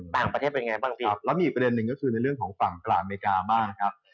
แล้วมีอีกประเด็นหนึ่งก็คือในเรื่องของฝั่งตลาดอเมริกาบ้างครับ